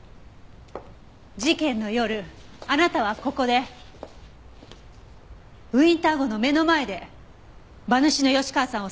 事件の夜あなたはここでウィンター号の目の前で馬主の吉川さんを殺害した。